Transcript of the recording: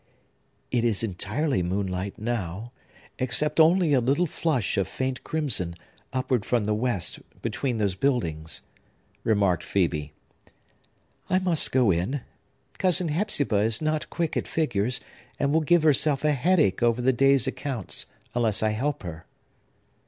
"It is entirely moonlight now, except only a little flush of faint crimson, upward from the west, between those buildings," remarked Phœbe. "I must go in. Cousin Hepzibah is not quick at figures, and will give herself a headache over the day's accounts, unless I help her."